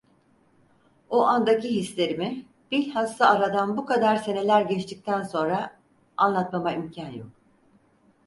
O andaki hislerimi, bilhassa aradan bu kadar seneler geçtikten sonra, anlatmama imkân yok.